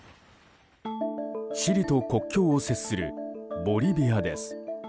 チリと国境を接するボリビアです。